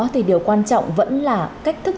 thì điều quan trọng vẫn là cách thức